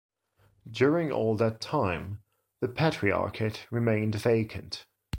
During all that time, the Patriarchate remained vacant.